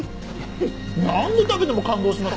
何度食べても感動しますよ！